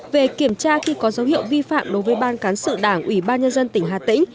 một về kiểm tra khi có dấu hiệu vi phạm đối với ban cán sự đảng ủy ban nhân dân tỉnh hà tĩnh